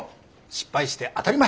失敗して当たり前。